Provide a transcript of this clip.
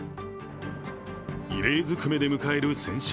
異例ずくめで迎える戦勝